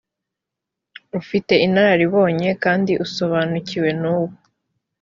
ufite inararibonye kandi usobanukiwe n uwo